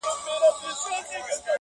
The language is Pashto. دا د باروتو د اورونو کیسې!.